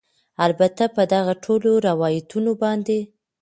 البته په دغه ټولو روایتونو باندې